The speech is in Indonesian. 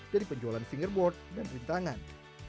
dari penjualan finger board dan rintangan